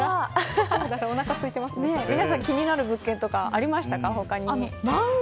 皆さん、気になる物件とかありましたか他に。